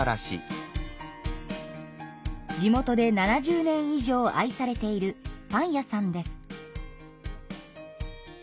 地元で７０年以上愛されているパン屋さんです。